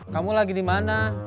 kamu lagi dimana